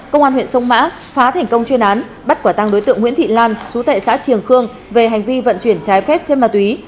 công an huyện sông mã phá thành công chuyên án bắt quả tăng đối tượng nguyễn thị lan chú tệ xã triềng khương về hành vi vận chuyển trái phép chân ma túy